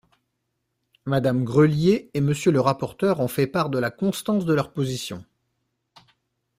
Madame Grelier et Monsieur le rapporteur ont fait part de la constance de leur position.